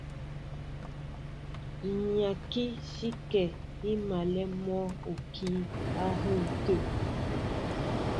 Imyáŋki sikɛ́ í malɛ mɔ okǐ á yɛ́n tə̂.